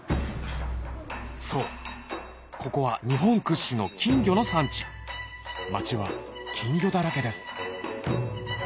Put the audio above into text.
そうここは日本屈指の金魚の産地町は金魚だらけです